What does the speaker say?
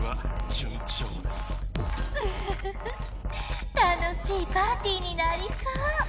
ウフフフ楽しいパーティーになりそう。